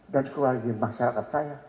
dari keluarga masyarakat saya